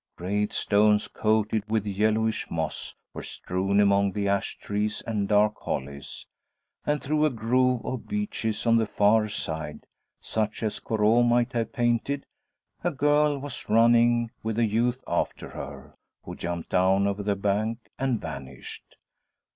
Great stones coated with yellowish moss were strewn among the ash trees and dark hollies; and through a grove of beeches on the far side, such as Corot might have painted, a girl was running, with a youth after her, who jumped down over the bank and vanished.